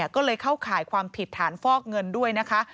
ก็เลยเข้าข่ายความผิดฐานฟอกเงินด้วยนะคะ